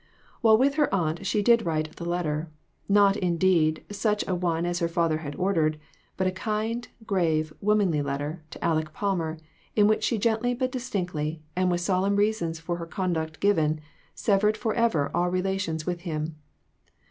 While with her aunt she did write the letter ; not, indeed, such an one as her father had ordered, but a kind, grave, womanly letter, to Aleck Palmer, in which she gently but distinctly, and with solemn reasons for her con duct given, severed forever her relations with him.